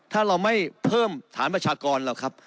ถ้าเราไม่เพิ่มฐานประชากรหรอกครับ